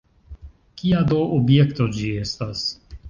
Kia do objekto ĝi estas?